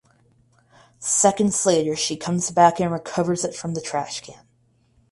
Seconds later she comes back and recovers it from the trash can.